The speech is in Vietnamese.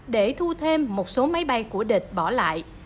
để thu thêm một số máy bay của địch bỏ lại